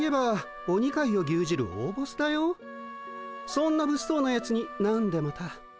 そんなぶっそうなやつになんでまた。